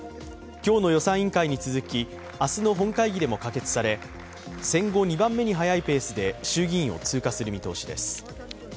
今日の予算委員会に続き明日の本会議でも可決され、戦後２番目に早いペースで衆議院を通過する見通しです。